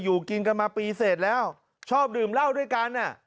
อยู่กินกันมาปีเสร็จแล้วชอบดื่มเหล้าด้วยกัน